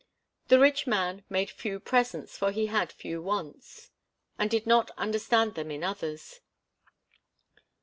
The rich man made few presents, for he had few wants, and did not understand them in others.